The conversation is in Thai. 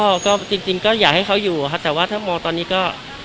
ก็ก็จริงก็อยากให้เขาอยู่ครับแต่ว่าถ้ามองตอนนี้ก็